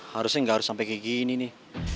harusnya gak harus sampe gini nih